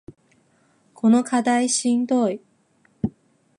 この課題しんどい